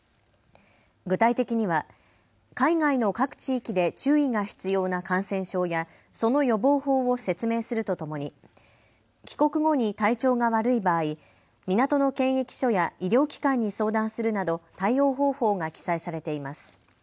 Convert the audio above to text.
具体的には海外の各地域で注意が必要な感染症やその予防法を説明するとともに帰国後に体調が悪い場合、港の検疫所や医療機関に相談するなど対応方法が記載されています。